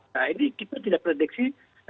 nah ini kita tidak prediksi